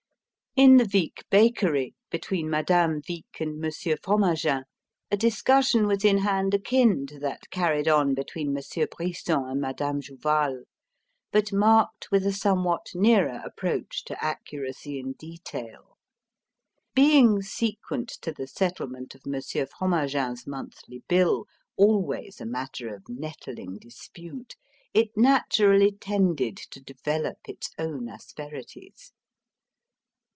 In the Vic bakery, between Madame Vic and Monsieur Fromagin, a discussion was in hand akin to that carried on between Monsieur Brisson and Madame Jouval but marked with a somewhat nearer approach to accuracy in detail. Being sequent to the settlement of Monsieur Fromagin's monthly bill always a matter of nettling dispute it naturally tended to develop its own asperities.